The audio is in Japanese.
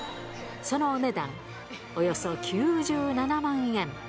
そのお値段、およそ９７万円。